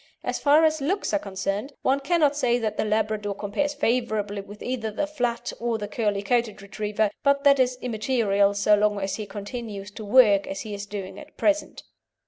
As far as looks are concerned, one cannot say that the Labrador compares favourably with either the flat or the curly coated Retriever, but that is immaterial so long as he continues to work as he is doing at present.